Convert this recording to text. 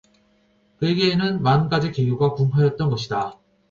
그에게는 만 가지 계교가 궁 하였던 것이다.